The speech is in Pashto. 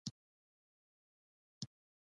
زموږ انا غوا لوسي.